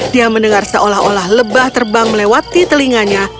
dia mendengar seolah olah lebah terbang melewati telinganya